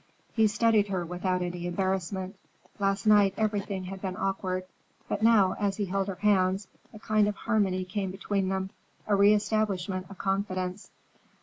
He studied her without any embarrassment. Last night everything had been awkward; but now, as he held her hands, a kind of harmony came between them, a reëstablishment of confidence.